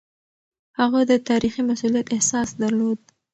هغه د تاريخي مسووليت احساس درلود.